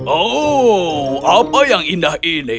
oh apa yang indah ini